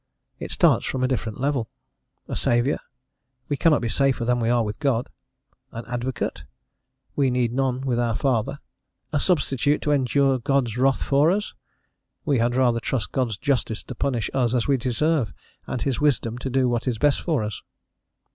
it starts from a different level: a Saviour? we cannot be safer than we are with God: an Advocate? we need none with our Father: a Substitute to endure God's wrath for us? we had rather trust God's justice to punish us as we deserve, and his wisdom to do what is best for us.